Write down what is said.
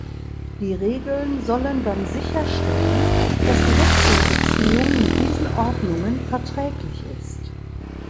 Die Regeln sollen dann sicher stellen, dass die Wechselbeziehung mit diesen Ordnungen verträglich ist.